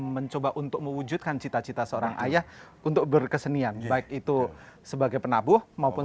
mencoba untuk mewujudkan cita cita seorang ayah untuk berkesenian baik itu sebagai penabuh maupun